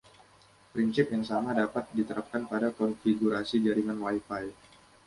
Prinsip yang sama dapat diterapkan pada konfigurasi jaringan Wi-Fi.